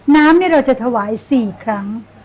น้ำเราจะถวาย๔ครั้ง